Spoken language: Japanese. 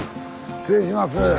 失礼します。